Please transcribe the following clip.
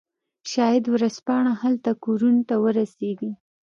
شاید ورځپاڼې هلته کورونو ته ورسیږي